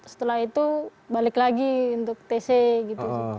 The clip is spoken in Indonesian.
setelah itu balik lagi untuk tc gitu